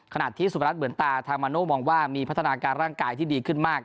ขณะที่สุพนัทเหมือนตาทางมาโน่มองว่ามีพัฒนาการร่างกายที่ดีขึ้นมาก